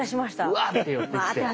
うわって寄ってきて。